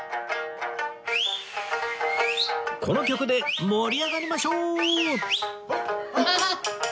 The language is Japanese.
この曲で盛り上がりましょう！